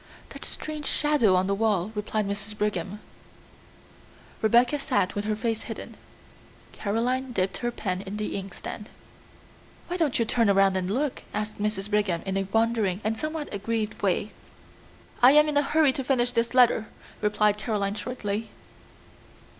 "That strange shadow on the wall," replied Mrs. Brigham. Rebecca sat with her face hidden; Caroline dipped her pen in the inkstand. "Why don't you turn around and look?" asked Mrs. Brigham in a wondering and somewhat aggrieved way. "I am in a hurry to finish this letter," replied Caroline shortly.